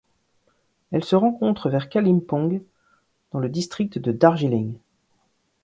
Elle se rencontre vers Kalimpong dans le district de Darjeeling.